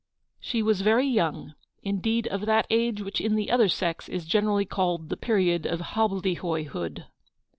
She was very young — indeed of that age which in the other sex is generally called the period of hobbledehoyhood.